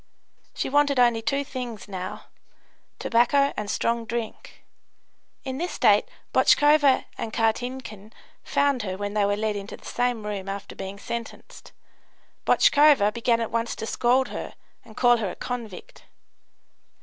She wanted only two things now tobacco and strong drink. In this state Botchkova and Kartinkin found her when they were led into the same room after being sentenced. Botchkova began at once to scold her, and call her a "convict."